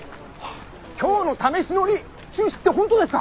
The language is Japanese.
今日の試し乗り中止って本当ですか？